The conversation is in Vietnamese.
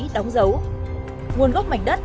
đóng dấu nguồn gốc mảnh đất